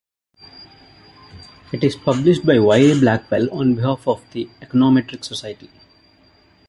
It is published by Wiley-Blackwell on behalf of the Econometric Society.